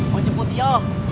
mau jemput iyo